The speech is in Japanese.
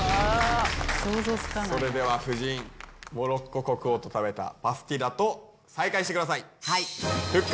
それでは夫人モロッコ国王と食べたパスティラと再会してください